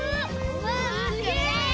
うわっすげえ！